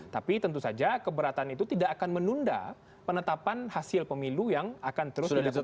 tapi tentu saja keberatan itu tidak akan menunda penetapan hasil pemilu yang akan terus dilakukan